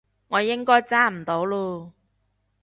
我應該揸唔到嚕